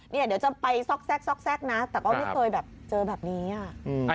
เดี๋ยวต้องไปซอกแซ็กซอกแซ็กนะแต่ไม่เคยเจอแบบนี้อ่ะ